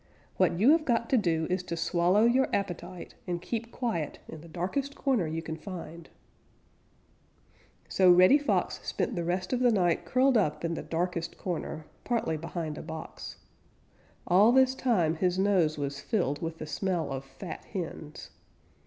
What you have got to do is to swallow your appetite and keep quiet in the darkest corner you can find," So Reddy Fox spent the rest of the night curled up in the darkest corner, partly behind a box. All the time his nose was filled with the smell of fat hens.